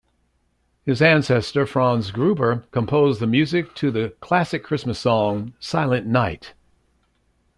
His ancestor, Franz Gruber, composed the music to the classic Christmas song Silent Night.